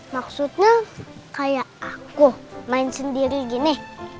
maksudnya kayak aku main sendiri gini